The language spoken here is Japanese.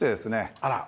あら。